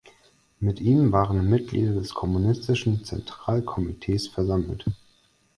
Mit ihm waren Mitglieder des kommunistischen Zentralkomitees versammelt.